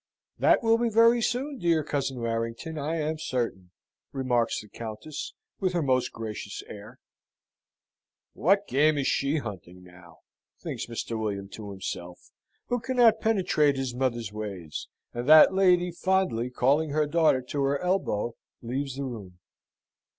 "That will be very soon, dear Cousin Warrington, I am certain," remarks the Countess, with her most gracious air. "What game is she hunting now?" thinks Mr. William to himself, who cannot penetrate his mother's ways; and that lady, fondly calling her daughter to her elbow, leaves the room.